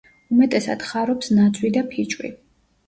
უმეტესად ხარობს ნაძვი და ფიჭვი.